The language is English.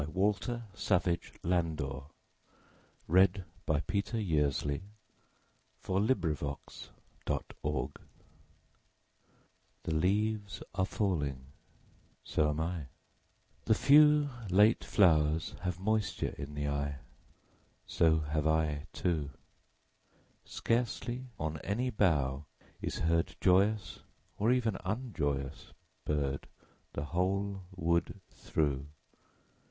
Walter Savage Landor. 1775–1864 575. Late Leaves THE leaves are falling; so am I; The few late flowers have moisture in the eye; So have I too. Scarcely on any bough is heard Joyous, or even unjoyous, bird 5 The whole wood through.